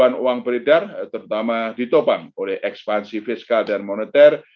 dan uang beredar terutama ditopang oleh ekspansi fiskal dan moneter